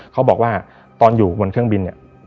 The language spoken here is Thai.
เขาบอกว่าตอนอยู่บนเครื่องบินเนี่ย